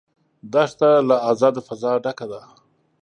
دښته له آزاده فضا ډکه ده.